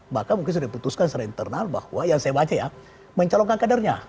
bahkan mungkin sudah diputuskan secara internal bahwa yang saya baca ya mencalonkan kadernya